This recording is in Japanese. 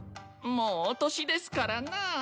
もうお年ですからなぁ。